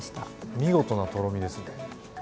見事なとろみですね。